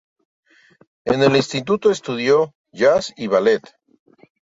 En el instituto estudió jazz y ballet.